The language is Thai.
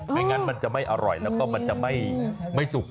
ไม่งั้นมันจะไม่อร่อยแล้วก็มันจะไม่สุก